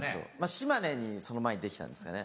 島根にその前にできたんですかね。